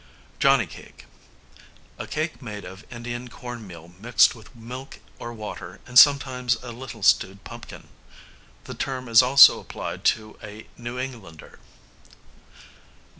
Johnny Cake, a cake made of Indian corn meal mixed with milk or water and sometimes a little stewed pumpkin; the term is also applied to a New Englander.